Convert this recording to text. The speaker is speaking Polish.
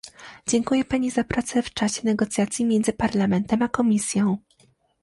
Dziękuję Pani za pracę w czasie negocjacji między Parlamentem a Komisją